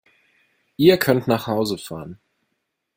Ihr könnt nach Hause fahren!